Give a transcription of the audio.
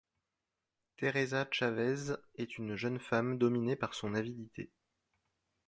Teresa Chavez est une jeune femme dominée par son avidité.